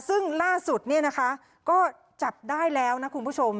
ซึ่งล่าสุดเนี่ยนะคะก็จับได้แล้วนะคุณผู้ชม